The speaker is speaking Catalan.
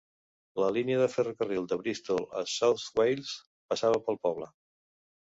La línia de ferrocarril de Bristol a South Wales passava pel poble.